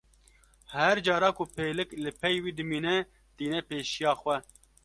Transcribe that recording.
Her cara ku pêlik li pey wî dimîne, tîne pêşiya xwe.